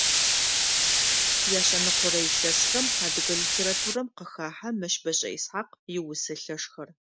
Яшъэныкъорэ илъэсхэм адыгэ литературэм къыхахьэ Мэщбэшӏэ Исхьакъ иусэ лъэшхэр.